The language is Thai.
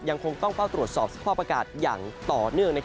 ยังคงต้องกล้าวตรวจสอบเพราะประกาศอย่างต่อเนื่อง